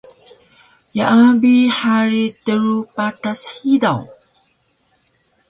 Yaa bi hari tru patas hidaw